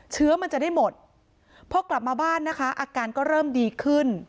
เชื้อมันจะได้หมดพอกลับมาบ้านนะคะอาการก็เริ่มดีขึ้น